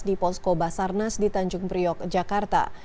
di posko basarnas di tanjung priok jakarta